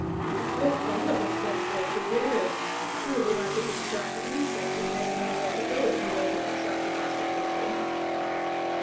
"Your father has slept there for years. He will be like a distracted insect, and never know where to go, if you alter the track he has to walk in."